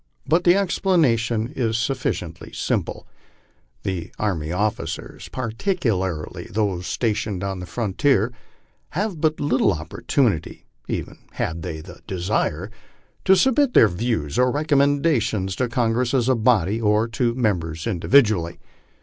But the explanation is sufficiently simple. The army officers, partio alarly those stationed on the frontier, hare but little opportunity, even had they the desire, to submit tneir views or recommendations to Congress as a body or to members individually.